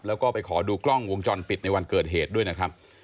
แล้วก็ไปขอดูกล้องวงจรปิดในวันเกิดเหตุด้วยนะครับ